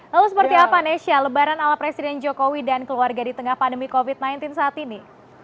lalu seperti apa nesya lebaran ala presiden jokowi dan keluarga di tengah pandemi covid sembilan belas saat ini